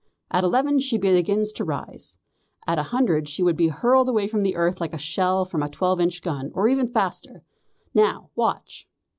At eleven she begins to rise. At a hundred she would be hurled away from the earth like a shell from a twelve inch gun, or even faster. Now, watch."